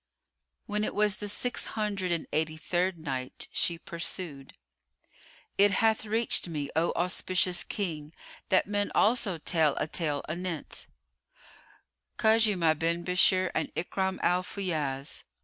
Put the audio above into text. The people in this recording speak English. When it was the Six Hundred and Eighty third Night, She pursued, It hath reached me, O auspicious King, that men also tell a tale anent KHUZAYMAH BIN BISHR AND IKRIMAH AL FAYYAZ.